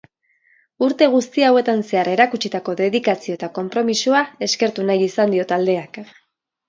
Urte guzti hauetan zehar erakutsitako dedikazio eta konpromisoa eskertu nahi izan dio taldeak.